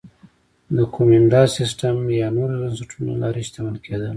د کومېنډا سیستم یا نورو بنسټونو له لارې شتمن کېدل